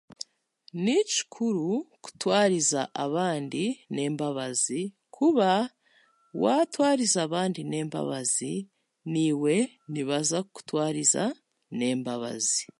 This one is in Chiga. Ni kikuru kutwariza abandi n'embabazi, ahakuba, waatwariza abandi n'embabazi, naiwe nibaza kukutwariza n'embabazi.